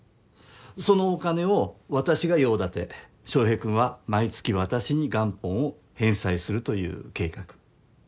そのお金を私が用立て翔平君は毎月私に元本を返済するという計画。